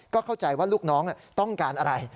เข้าใจว่าลูกน้องต้องการอะไร